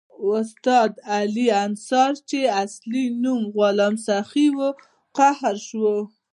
استاد علي انصاري چې اصلي نوم یې غلام سخي وو قهر شو.